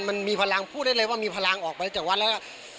มันมีพลังพูดได้เร็วมีพลังให้ออกไปจากวัด